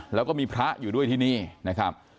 แล้วก็มีพระอยู่ด้วยที่นี่นะครับ